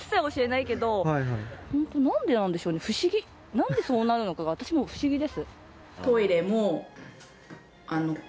何でそうなるのかが私も不思議です